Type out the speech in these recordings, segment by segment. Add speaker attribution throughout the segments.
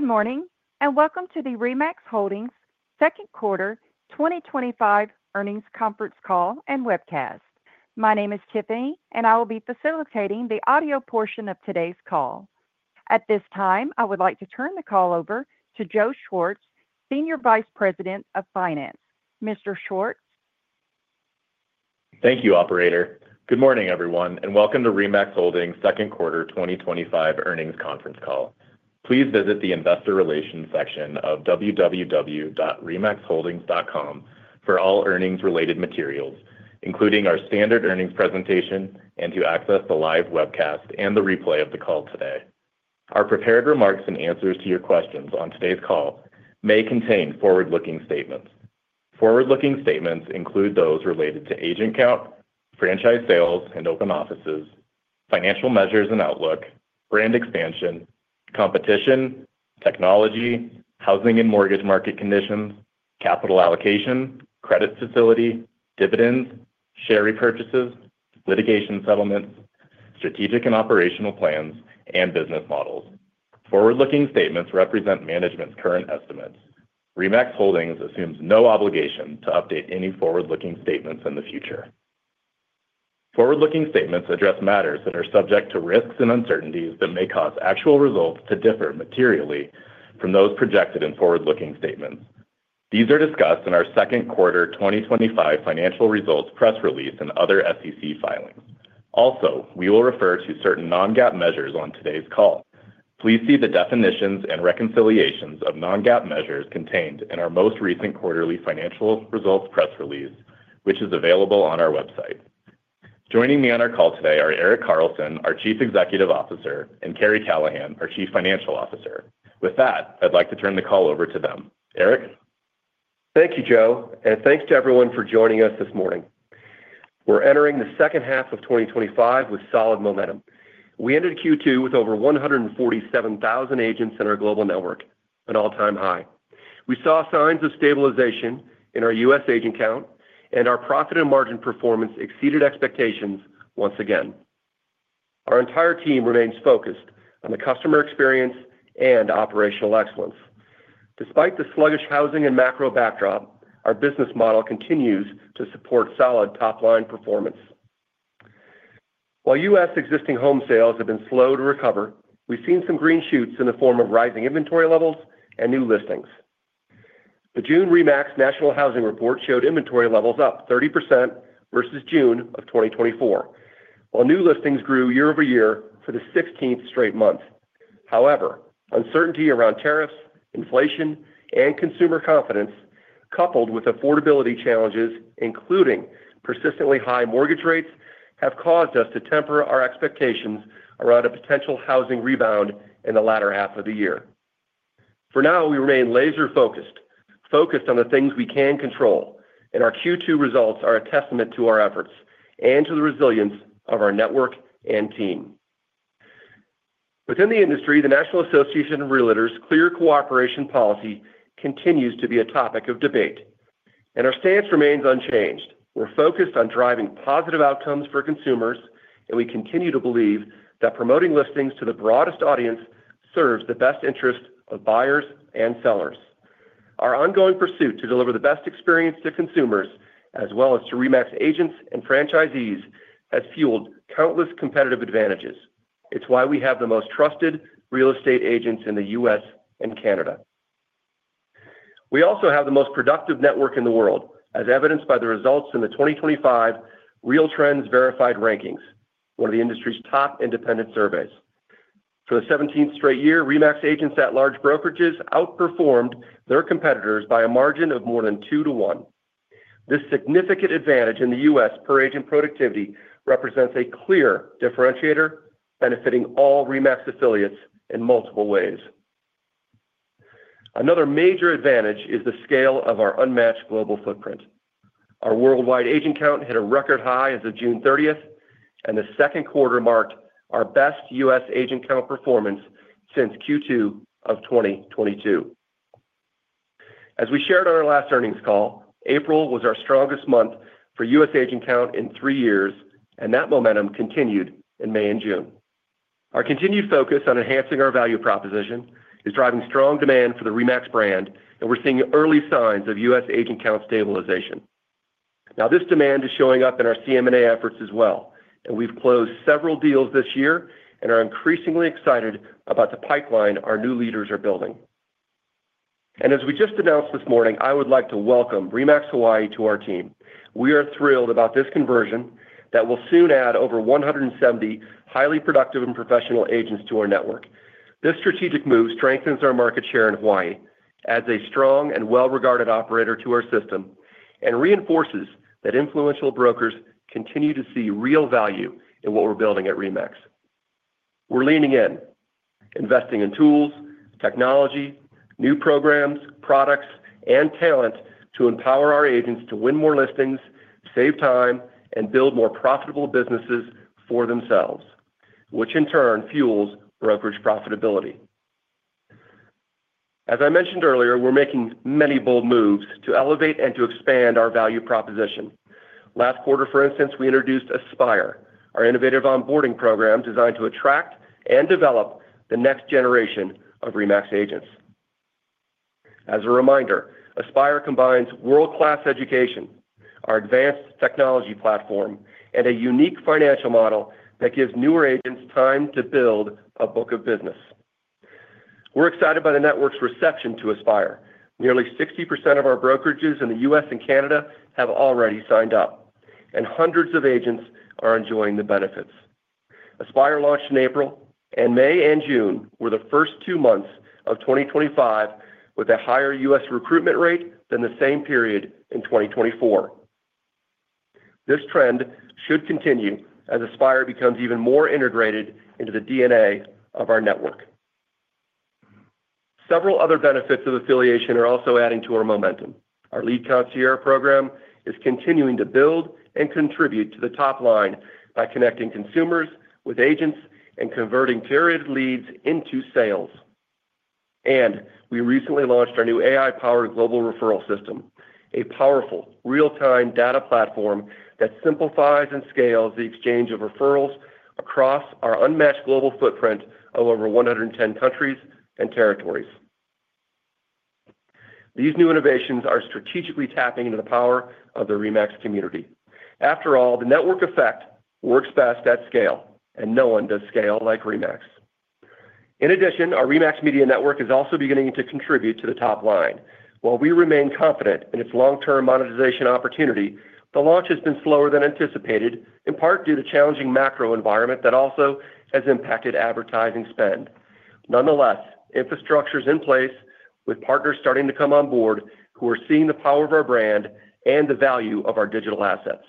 Speaker 1: Good morning and welcome to the RE/MAX Holdings second quarter 2025 earnings conference call and webcast. My name is Tiffany, and I will be facilitating the audio portion of today's call. At this time, I would like to turn the call over to Joe Schwartz, Senior Vice President of Finance. Mr. Schwartz?
Speaker 2: Thank you, Operator. Good morning, everyone, and welcome to RE/MAX Holdings' second quarter 2025 earnings conference call. Please visit the Investor Relations section of www.remaxholdings.com for all earnings-related materials, including our standard earnings presentation, and to access the live webcast and the replay of the call today. Our prepared remarks and answers to your questions on today's call may contain forward-looking statements. Forward-looking statements include those related to agent count, franchise sales and open offices, financial measures and outlook, brand expansion, competition, technology, housing and mortgage market conditions, capital allocation, credit facility, dividends, share repurchases, litigation settlements, strategic and operational plans, and business models. Forward-looking statements represent management's current estimates. RE/MAX Holdings assumes no obligation to update any forward-looking statements in the future. Forward-looking statements address matters that are subject to risks and uncertainties that may cause actual results to differ materially from those projected in forward-looking statements. These are discussed in our second quarter 2025 financial results press release and other SEC filings. Also, we will refer to certain non-GAAP measures on today's call. Please see the definitions and reconciliations of non-GAAP measures contained in our most recent quarterly financial results press release, which is available on our website. Joining me on our call today are Erik Carlson, our Chief Executive Officer, and Karri Callahan, our Chief Financial Officer. With that, I'd like to turn the call over to them. Erik?
Speaker 3: Thank you, Joe, and thanks to everyone for joining us this morning. We're entering the second half of 2025 with solid momentum. We ended Q2 with over 147,000 agents in our global network, an all-time high. We saw signs of stabilization in our U.S. agent count, and our profit and margin performance exceeded expectations once again. Our entire team remains focused on the customer experience and operational excellence. Despite the sluggish housing and macro backdrop, our business model continues to support solid top-line performance. While U.S. existing home sales have been slow to recover, we've seen some green shoots in the form of rising inventory levels and new listings. The June RE/MAX National Housing Report showed inventory levels up 30% versus June of 2024, while new listings grew year over year for the 16th straight month. However, uncertainty around tariffs, inflation, and consumer confidence, coupled with affordability challenges, including persistently high mortgage rates, have caused us to temper our expectations around a potential housing rebound in the latter half of the year. For now, we remain laser-focused on the things we can control, and our Q2 results are a testament to our efforts and to the resilience of our network and team. Within the industry, the National Association of Realtors' Clear Cooperation Policy continues to be a topic of debate, and our stance remains unchanged. We're focused on driving positive outcomes for consumers, and we continue to believe that promoting listings to the broadest audience serves the best interests of buyers and sellers. Our ongoing pursuit to deliver the best experience to consumers, as well as to RE/MAX agents and franchisees, has fueled countless competitive advantages. It's why we have the most trusted real estate agents in the U.S. and Canada. We also have the most productive network in the world, as evidenced by the results in the 2025 RealTrends Verified Rankings, one of the industry's top independent surveys. For the 17th straight year, RE/MAX agents at large brokerages outperformed their competitors by a margin of more than two to one. This significant advantage in the U.S. per agent productivity represents a clear differentiator benefiting all RE/MAX affiliates in multiple ways. Another major advantage is the scale of our unmatched global footprint. Our worldwide agent count hit a record high as of June 30th, and the second quarter marked our best U.S. Agent count performance since Q2 of 2022. As we shared on our last earnings call, April was our strongest month for U.S. agent count in three years, and that momentum continued in May and June. Our continued focus on enhancing our value proposition is driving strong demand for the RE/MAX brand, and we're seeing early signs of U.S. agent count stabilization. Now, this demand is showing up in our CM&A efforts as well. We've closed several deals this year and are increasingly excited about the pipeline our new leaders are building. As we just announced this morning, I would like to welcome RE/MAX Hawaii to our team. We are thrilled about this conversion that will soon add over 170 highly productive and professional agents to our network. This strategic move strengthens our market share in Hawaii as a strong and well-regarded operator to our system and reinforces that influential brokers continue to see real value in what we're building at RE/MAX. We're leaning in, investing in tools, technology, new programs, products, and talent to empower our agents to win more listings, save time, and build more profitable businesses for themselves, which in turn fuels brokerage profitability. As I mentioned earlier, we're making many bold moves to elevate and to expand our value proposition. Last quarter, for instance, we introduced Aspire, our innovative onboarding program designed to attract and develop the next generation of RE/MAX agents. As a reminder, Aspire combines world-class education, our advanced technology platform, and a unique financial model that gives newer agents time to build a book of business. We're excited by the network's reception to Aspire. Nearly 60% of our brokerages in the U.S. and Canada have already signed up, and hundreds of agents are enjoying the benefits. Aspire launched in April, and May and June were the first two months of 2025 with a higher U.S. recruitment rate than the same period in 2024. This trend should continue as Aspire becomes even more integrated into the DNA of our network. Several other benefits of affiliation are also adding to our momentum. Our Lead Concierge program is continuing to build and contribute to the top line by connecting consumers with agents and converting curated leads into sales. We recently launched our new AI-powered global referral system, a powerful real-time data platform that simplifies and scales the exchange of referrals across our unmatched global footprint of over 110 countries and territories. These new innovations are strategically tapping into the power of the RE/MAX community. After all, the network effect works best at scale, and no one does scale like RE/MAX. In addition, our RE/MAX Media Network is also beginning to contribute to the top line. While we remain confident in its long-term monetization opportunity, the launch has been slower than anticipated, in part due to a challenging macro environment that also has impacted advertising spend. Nonetheless, infrastructure is in place, with partners starting to come on board who are seeing the power of our brand and the value of our digital assets.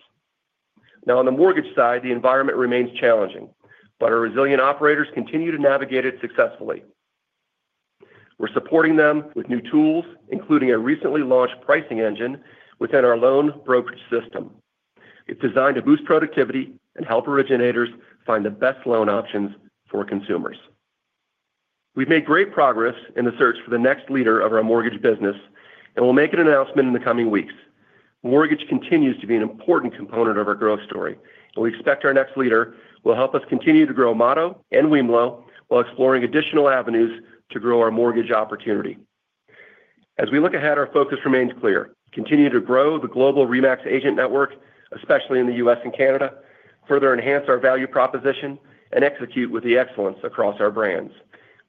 Speaker 3: On the mortgage side, the environment remains challenging, but our resilient operators continue to navigate it successfully. We're supporting them with new tools, including a recently launched pricing engine within our loan brokerage system. It's designed to boost productivity and help originators find the best loan options for consumers. We've made great progress in the search for the next leader of our mortgage business, and we'll make an announcement in the coming weeks. Mortgage continues to be an important component of our growth story, and we expect our next leader will help us continue to grow Motto and wemlo while exploring additional avenues to grow our mortgage opportunity. As we look ahead, our focus remains clear: continue to grow the global RE/MAX agent network, especially in the U.S. and Canada, further enhance our value proposition, and execute with excellence across our brands.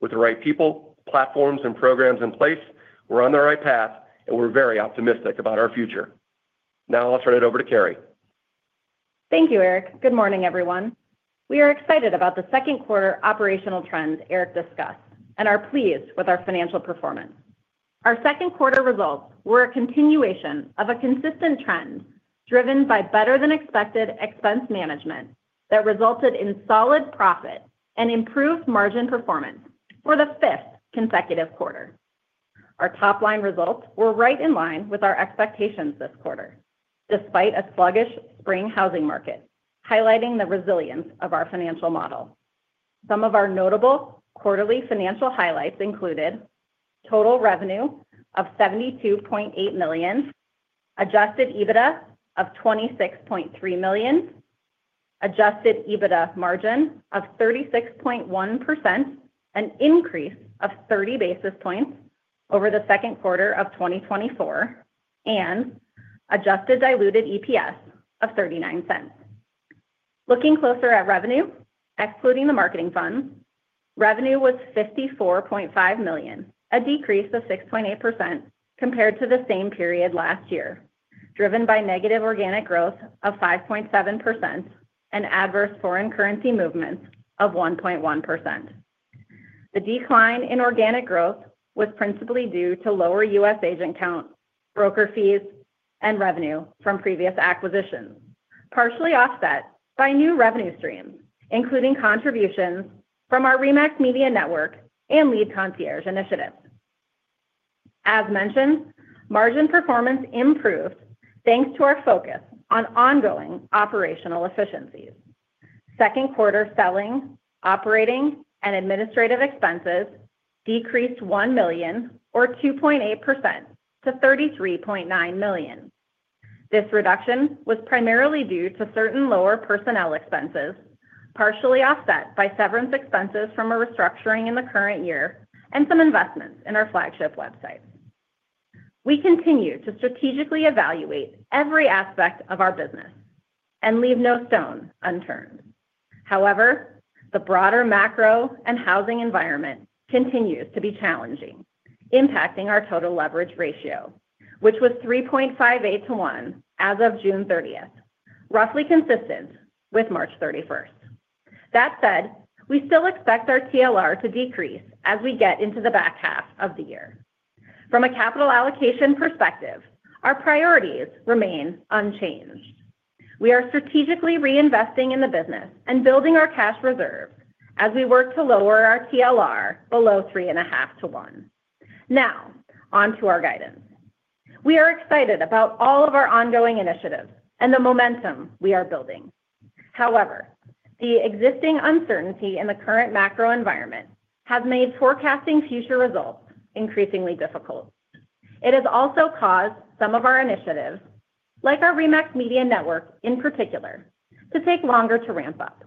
Speaker 3: With the right people, platforms, and programs in place, we're on the right path, and we're very optimistic about our future. Now, I'll turn it over to Karri.
Speaker 4: Thank you, Erik. Good morning, everyone. We are excited about the second quarter operational trends Erik discussed and are pleased with our financial performance. Our second quarter results were a continuation of a consistent trend driven by better-than-expected expense management that resulted in solid profit and improved margin performance for the fifth consecutive quarter. Our top-line results were right in line with our expectations this quarter, despite a sluggish spring housing market, highlighting the resilience of our financial model. Some of our notable quarterly financial highlights included total revenue of $72.8 million, Adjusted EBITDA of $26.3 million, Adjusted EBITDA margin of 36.1%, an increase of 30 basis points over the second quarter of 2024, and adjusted diluted EPS of $0.39. Looking closer at revenue, excluding the marketing fund, revenue was $54.5 million, a decrease of 6.8% compared to the same period last year, driven by negative organic growth of 5.7% and adverse foreign currency movements of 1.1%. The decline in organic growth was principally due to lower U.S. agent count, broker fees, and revenue from previous acquisitions, partially offset by new revenue streams, including contributions from our RE/MAX Media Network and lead concierge initiative. As mentioned, margin performance improved thanks to our focus on ongoing operational efficiencies. Second quarter selling, operating, and administrative expenses decreased $1 million, or 2.8%, to $33.9 million. This reduction was primarily due to certain lower personnel expenses, partially offset by severance expenses from a restructuring in the current year and some investments in our flagship website. We continue to strategically evaluate every aspect of our business and leave no stone unturned. However, the broader macro and housing environment continues to be challenging, impacting our Total Leverage Ratio, which was 3.58-1 as of June 30th, roughly consistent with March 31st. That said, we still expect our TLR to decrease as we get into the back half of the year. From a capital allocation perspective, our priorities remain unchanged. We are strategically reinvesting in the business and building our cash reserves as we work to lower our TLR below 3.50-1. Now, on to our guidance. We are excited about all of our ongoing initiatives and the momentum we are building. However, the existing uncertainty in the current macro environment has made forecasting future results increasingly difficult. It has also caused some of our initiatives, like our RE/MAX Media Network in particular, to take longer to ramp up.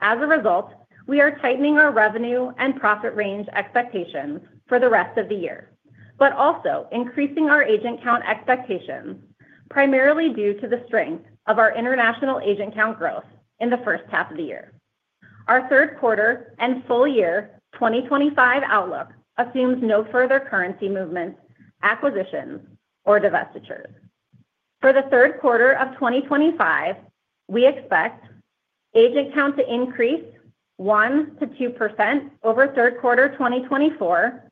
Speaker 4: As a result, we are tightening our revenue and profit range expectations for the rest of the year, but also increasing our agent count expectations, primarily due to the strength of our international agent count growth in the first half of the year. Our third quarter and full year 2025 outlook assumes no further currency movements, acquisitions, or divestitures. For the third quarter of 2025, we expect agent count to increase 1%-2% over third quarter 2024,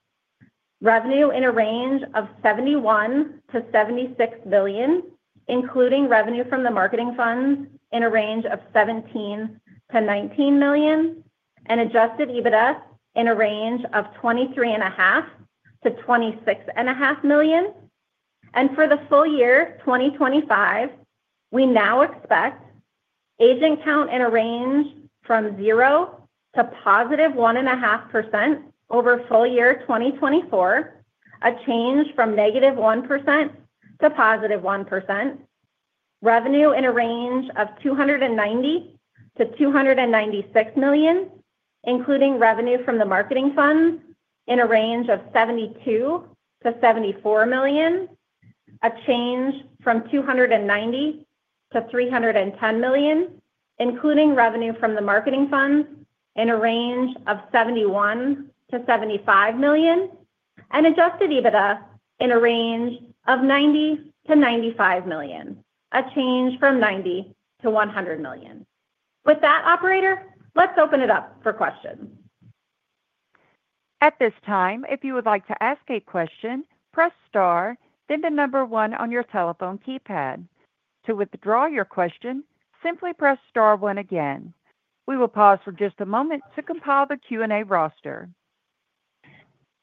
Speaker 4: revenue in a range of $71 million-$76 million, including revenue from the marketing fund in a range of $17 million-$19 million, and Adjusted EBITDA in a range of $23.5 million-$26.5 million. For the full year 2025, we now expect agent count in a range from 0% to +1.5% over full year 2024, a change from -1% to +1%, revenue in a range of $290 million-$296 million, including revenue from the marketing fund in a range of $72 million-$74 million, a change from $290 million to $310 million, including revenue from the marketing fund in a range of $71 million-$75 million, and Adjusted EBITDA in a range of $90 million-$95 million, a change from $90 million to $100 million. With that, Operator, let's open it up for questions.
Speaker 1: At this time, if you would like to ask a question, press star, then the number one on your telephone keypad. To withdraw your question, simply press star one again. We will pause for just a moment to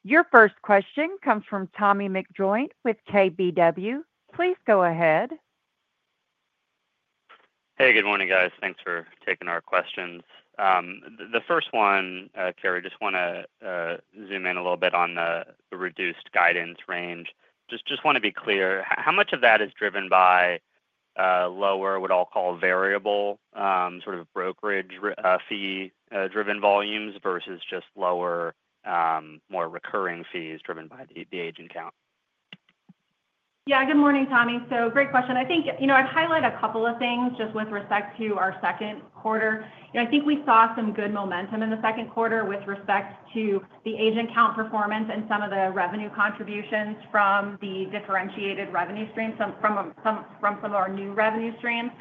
Speaker 1: compile the Q&A roster. Your first question comes from Tommy McJoynt with KBW. Please go ahead.
Speaker 5: Hey, good morning, guys. Thanks for taking our questions. The first one, Karri, just want to zoom in a little bit on the reduced guidance range. Just want to be clear, how much of that is driven by lower, what I'll call variable sort of broker fee-driven volumes versus just lower, more recurring fees driven by the agent count?
Speaker 4: Good morning, Tommy. Great question. I think I'd highlight a couple of things just with respect to our second quarter. I think we saw some good momentum in the second quarter with respect to the agent count performance and some of the revenue contributions from the differentiated revenue stream, some from some of our new revenue stream.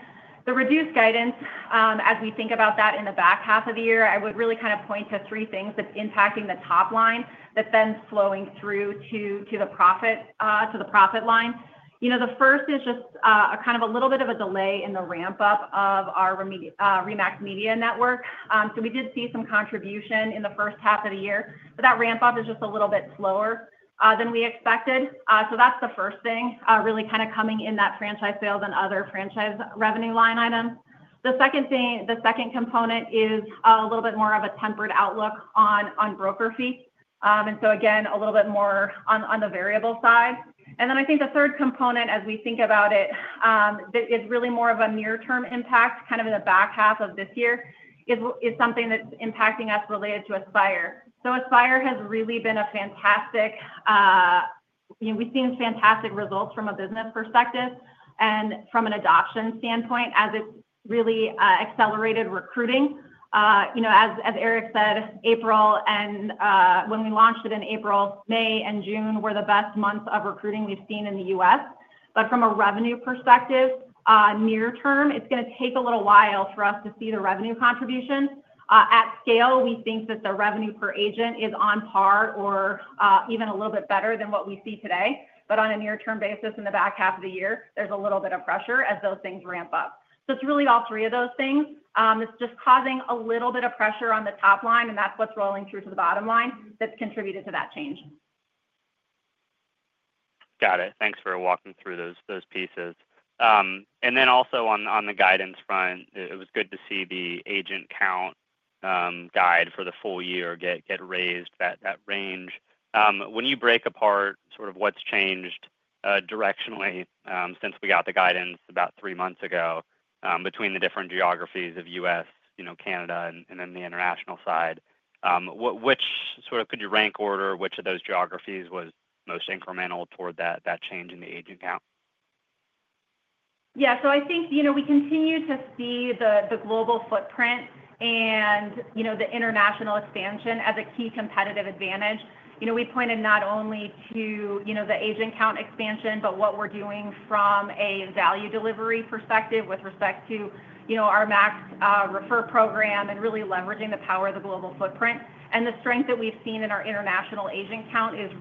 Speaker 4: The reduced guidance, as we think about that in the back half of the year, I would really kind of point to three things that's impacting the top line that's then flowing through to the profit line. The first is just a kind of a little bit of a delay in the ramp-up of our RE/MAX Media Network. We did see some contribution in the first half of the year, but that ramp-up is just a little bit slower than we expected. That's the first thing, really kind of coming in that franchise sales and other franchise revenue line items. The second thing, the second component is a little bit more of a tempered outlook on broker fees. Again, a little bit more on the variable side. I think the third component, as we think about it, is really more of a near-term impact, kind of in the back half of this year, is something that's impacting us related to Aspire. Aspire has really been fantastic, we've seen fantastic results from a business perspective and from an adoption standpoint as it's really accelerated recruiting. As Erik said, April and when we launched it in April, May and June were the best months of recruiting we've seen in the U.S. From a revenue perspective, near term, it's going to take a little while for us to see the revenue contribution. At scale, we think that the revenue per agent is on par or even a little bit better than what we see today. On a near-term basis in the back half of the year, there's a little bit of pressure as those things ramp up. It's really all three of those things. It's just causing a little bit of pressure on the top line, and that's what's rolling through to the bottom line that's contributed to that change.
Speaker 5: Got it. Thanks for walking through those pieces. Also, on the guidance front, it was good to see the agent count guide for the full year get raised, that range. When you break apart sort of what's changed directionally since we got the guidance about three months ago between the different geographies of the U.S., Canada, and then the international side, could you rank order which of those geographies was most incremental toward that change in the agent count?
Speaker 4: I think we continue to see the global footprint and the international expansion as a key competitive advantage. We pointed not only to the agent count expansion, but what we're doing from a value delivery perspective with respect to our MAXRefer program and really leveraging the power of the global footprint. The strength that we've seen in our international agent count is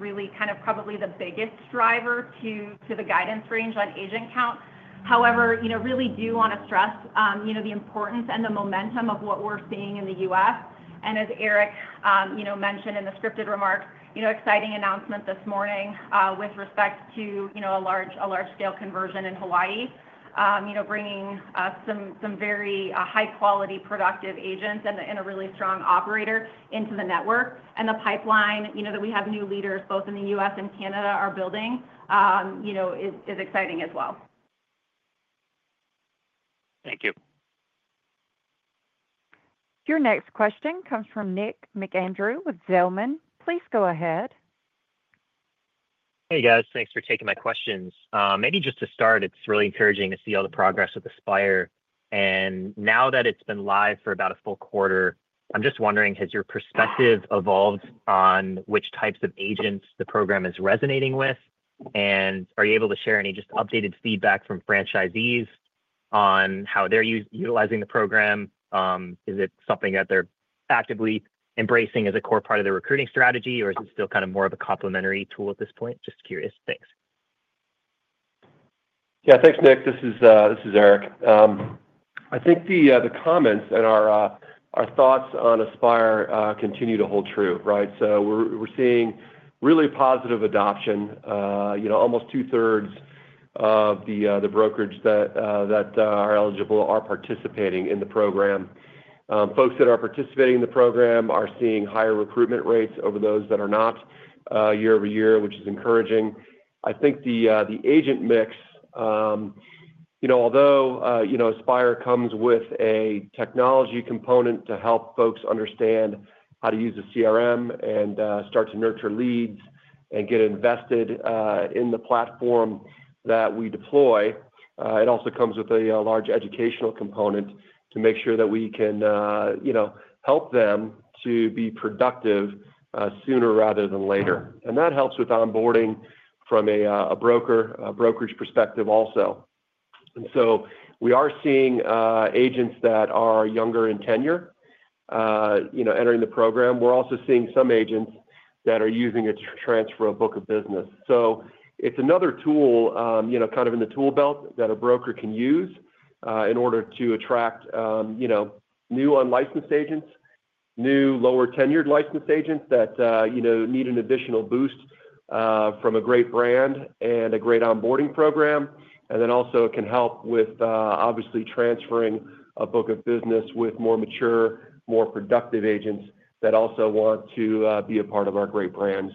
Speaker 4: probably the biggest driver to the guidance range on agent count. However, I really do want to stress the importance and the momentum of what we're seeing in the U.S. As Erik mentioned in the scripted remark, there was an exciting announcement this morning with respect to a large-scale conversion in Hawaii, bringing some very high-quality, productive agents and a really strong operator into the network. The pipeline that we have new leaders both in the U.S. and Canada are building is exciting as well.
Speaker 5: Thank you.
Speaker 1: Your next question comes from Nick McAndrew with Zelman. Please go ahead.
Speaker 6: Hey, guys, thanks for taking my questions. Maybe just to start, it's really encouraging to see all the progress with Aspire. Now that it's been live for about a full quarter, I'm just wondering, has your perspective evolved on which types of agents the program is resonating with? Are you able to share any updated feedback from franchisees on how they're utilizing the program? Is it something that they're actively embracing as a core part of their recruiting strategy, or is it still kind of more of a complementary tool at this point? Just curious. Thanks.
Speaker 3: Yeah, thanks, Nick. This is Erik. I think the comments and our thoughts on Aspire continue to hold true, right? We're seeing really positive adoption. Almost two-thirds of the brokerages that are eligible are participating in the program. Folks that are participating in the program are seeing higher recruitment rates over those that are not year over year, which is encouraging. I think the agent mix, although Aspire comes with a technology component to help folks understand how to use a CRM and start to nurture leads and get invested in the platform that we deploy, also comes with a large educational component to make sure that we can help them to be productive sooner rather than later. That helps with onboarding from a brokerage perspective also. We are seeing agents that are younger in tenure entering the program. We're also seeing some agents that are using it to transfer a book of business. It's another tool in the tool belt that a broker can use in order to attract new unlicensed agents, new lower tenured licensed agents that need an additional boost from a great brand and a great onboarding program. It also can help with obviously transferring a book of business with more mature, more productive agents that also want to be a part of our great brand.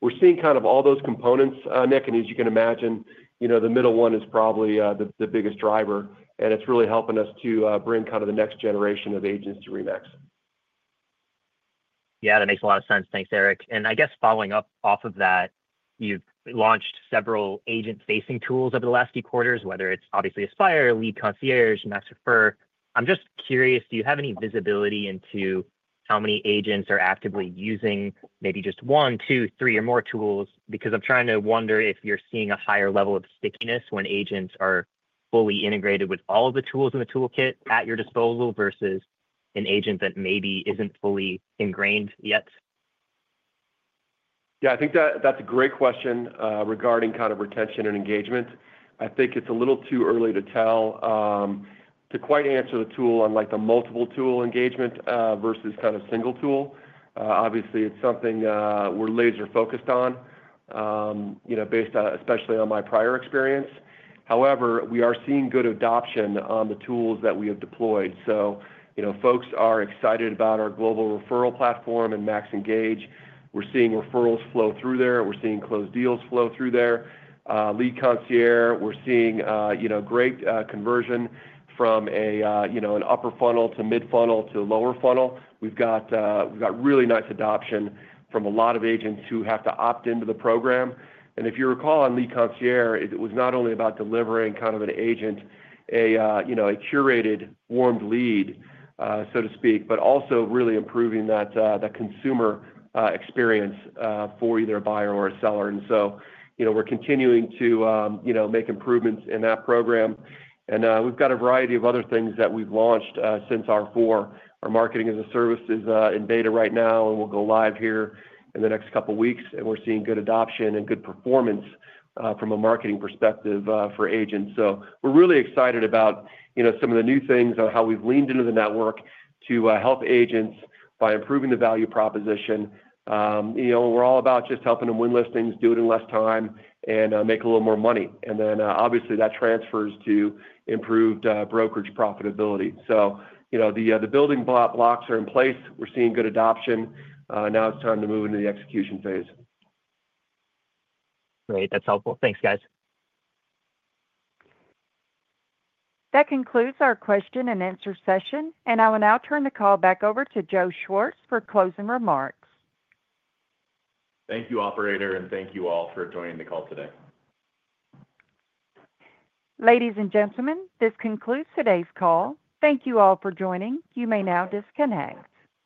Speaker 3: We're seeing all those components, Nick, and as you can imagine, the middle one is probably the biggest driver, and it's really helping us to bring the next generation of agents to RE/MAX.
Speaker 6: Yeah, that makes a lot of sense. Thanks, Erik. I guess following up off of that, you've launched several agent-facing tools over the last few quarters, whether it's obviously Aspire, Lead Concierge, and MAXRefer. I'm just curious, do you have any visibility into how many agents are actively using maybe just one, two, three, or more tools? I'm trying to wonder if you're seeing a higher level of stickiness when agents are fully integrated with all of the tools in the toolkit at your disposal versus an agent that maybe isn't fully ingrained yet?
Speaker 3: Yeah, I think that that's a great question regarding kind of retention and engagement. I think it's a little too early to tell to quite answer the tool on like the multiple tool engagement versus kind of single tool. Obviously, it's something we're laser-focused on, especially based on my prior experience. However, we are seeing good adoption on the tools that we have deployed. Folks are excited about our global referral platform and MAXEngage. We're seeing referrals flow through there. We're seeing closed deals flow through there. Lead Concierge, we're seeing great conversion from an upper funnel to mid-funnel to a lower funnel. We've got really nice adoption from a lot of agents who have to opt into the program. If you recall on Lead Concierge, it was not only about delivering an agent, a curated warmed lead, so to speak, but also really improving that consumer experience for either a buyer or a seller. We're continuing to make improvements in that program. We've got a variety of other things that we've launched since R4. Our marketing as a service is in beta right now, and we'll go live here in the next couple of weeks, and we're seeing good adoption and good performance from a marketing perspective for agents. We're really excited about some of the new things on how we've leaned into the network to help agents by improving the value proposition. We're all about just helping them win listings, do it in less time, and make a little more money. Obviously, that transfers to improved brokerage profitability. The building blocks are in place. We're seeing good adoption. Now it's time to move into the execution phase.
Speaker 6: Great, that's helpful. Thanks, guys.
Speaker 1: That concludes our question-and-answer session. I will now turn the call back over to Joe Schwartz for closing remarks.
Speaker 2: Thank you, Operator, and thank you all for joining the call today.
Speaker 1: Ladies and gentlemen, this concludes today's call. Thank you all for joining. You may now disconnect.